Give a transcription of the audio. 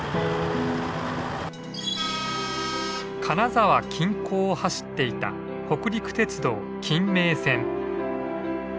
金沢近郊を走っていた北陸鉄道金名線。